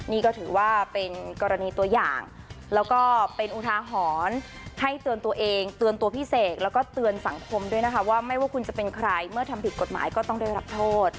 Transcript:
นี่ก็ถือว่าเป็นกรณีตัวอย่างแล้วก็เป็นอุทาหรณ์ให้เตือนตัวเองเตือนตัวพี่เสกแล้วก็เตือนสังคมด้วยนะคะว่าไม่ว่าคุณจะเป็นใครเมื่อทำผิดกฎหมายก็ต้องได้รับโทษ